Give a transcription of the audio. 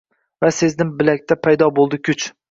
Va sezdim bilakda paydo bo’ldi kuch